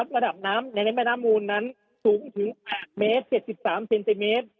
ระดับน้ำในแม่น้ำมูลนั้นสูงถึงเมตร๗๓เซนติเมตร